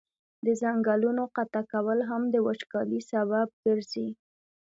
د ځنګلونو قطع کول هم د وچکالی سبب ګرځي.